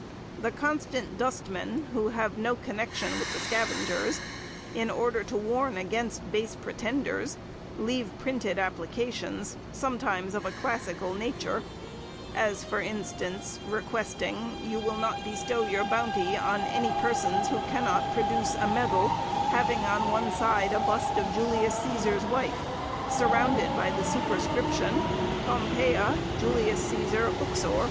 The constant dustmen, who have "no connection with the scavengers," in order to warn against base pretenders, leave printed applications, sometimes of a classical nature, as, for instance, requesting "you will not bestow your bounty on any persons who cannot produce a medal, having on one side a bust of Julius Cæsar's wife, surrounded with the superscription, '_Pompeia, Jul. Cæs. Uxor.